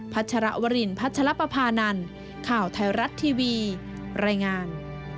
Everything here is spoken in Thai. ัชรวรินพัชรปภานันข่าวไทยรัฐทีวีรายงาน